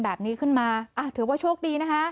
แบบนี้ขึ้นมาถือว่าโชคดีนะคะ